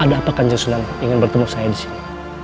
ada apa kanjeng sunam ingin bertemu saya di sini